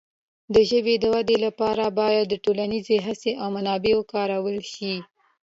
د ژبې د وده لپاره باید ټولنیزې هڅې او منابع وکارول شي.